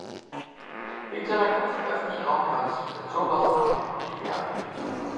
Wegen seiner Kunst im öffentlichen Raum kam es zu Zensurmaßnahmen und diversen Gerichtsverfahren.